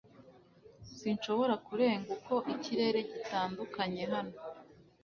sinshobora kurenga uko ikirere gitandukanye hano